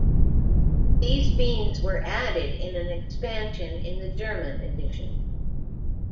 These beans were added in an expansion in the German edition.